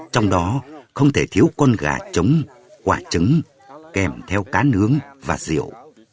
trong đó không thể thiếu con gà trống quả trứng kèm theo cá nướng và rượu